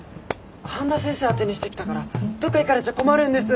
半田先生当てにしてきたからどっか行かれちゃ困るんです。